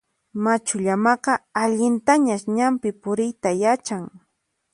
Machu llamaqa allintañas ñanpi puriyta yachan.